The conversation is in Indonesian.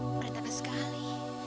mereka tak sekali